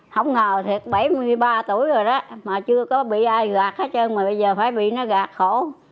không ngờ thiệt bảy mươi ba tuổi rồi đó mà chưa có bị ai gạt hết trơn mà bây giờ phải bị nó gạt khổ